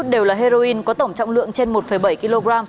đều là heroin có tổng trọng lượng trên một bảy kg